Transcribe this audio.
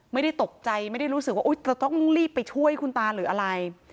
ไม่ได้ตกใจไม่ได้รู้สึกว่าจะต้องรีบไปช่วยคุณตาหรืออะไร